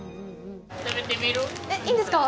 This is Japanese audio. えっ、いいんですか！？